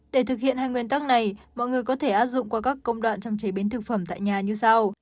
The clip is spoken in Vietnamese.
để thực hiện hai nguyên tắc này mọi người có thể áp dụng qua các công đoạn trong chế biến thực phẩm tại nhà như sau